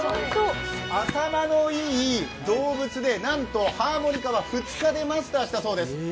頭のいい動物でなんとハーモニカは２日でマスターしたそうです。